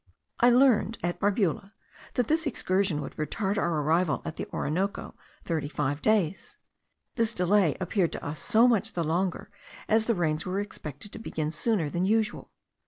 I learned at Barbula, that this excursion would retard our arrival at the Orinoco thirty five days. This delay appeared to us so much the longer, as the rains were expected to begin sooner than usual.